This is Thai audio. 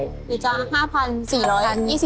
เดี๋ยวจะ๕พัน๔ร้อย๒๐บาท